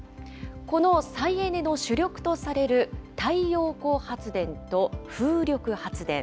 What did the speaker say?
この再エネの主力とされる太陽光発電と風力発電。